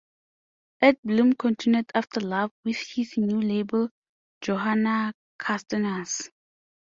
Atte Blom continued after Love with his new label, Johanna Kustannus.